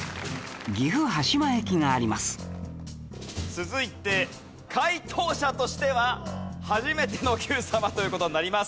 続いて解答者としては初めての『Ｑさま！！』という事になります。